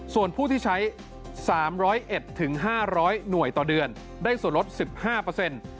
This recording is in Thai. ส่วนผู้ที่ใช้๓๐๑๕๐๐หน่วยต่อเดือนได้ส่วนลด๑๕เปอร์เซ็นต์